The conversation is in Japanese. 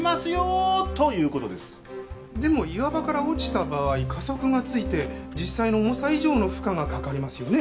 でも岩場から落ちた場合加速がついて実際の重さ以上の負荷がかかりますよね？